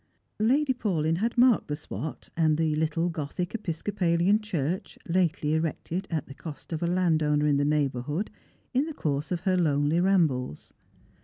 Lady Paulyn had marked the spot, and the little gothic Episcopalian church, lately erected at the cost of a landowner in the neighbourhood, in the course of her lonely rambles.